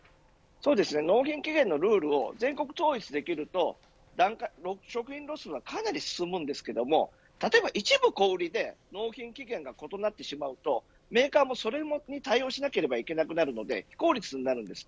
納品期限のルールを全国統一できると食品ロスはかなり進むんですけれども例えば一部小売で納品期限が異なってしまうとメーカーもそれに対応しなけなければいけないため非効率になります。